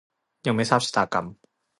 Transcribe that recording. ยังไม่ทราบชะตากรรม